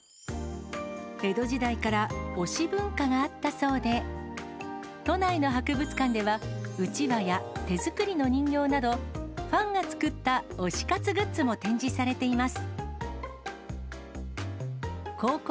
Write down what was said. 江戸時代から推し文化があったそうで、都内の博物館では、うちわや手作りの人形など、ファンが作った推し活グッズも展示されています。